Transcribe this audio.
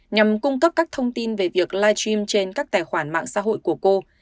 nhằm cung cấp các thông tin về việc live stream trên các tài khoản mạng xã hội của cô